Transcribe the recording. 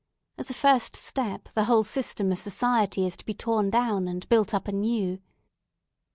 As a first step, the whole system of society is to be torn down and built up anew.